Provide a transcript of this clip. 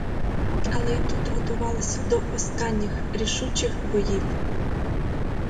Але й тут готувалися до останніх, рішучих боїв.